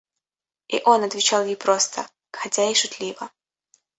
И он отвечал ей просто, хотя и шутливо.